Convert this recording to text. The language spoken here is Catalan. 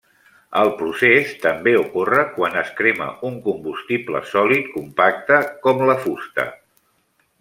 El procés també ocorre quan es crema un combustible sòlid compacte, com la fusta.